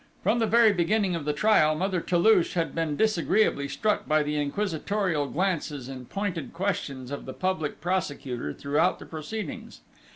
From the very beginning of the trial, Mother Toulouche had been disagreeably struck by the inquisitorial glances and pointed questions of the Public Prosecutor throughout the proceedings.